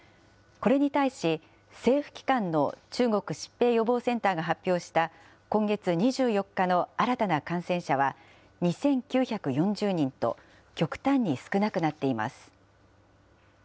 これに対し、政府機関の中国疾病予防センターが発表した、今月２４日の新たな感染者は２９４０人と、極端に少なくなっています。